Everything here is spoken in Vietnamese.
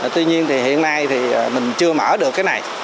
tuy nhiên thì hiện nay thì mình chưa mở được cái này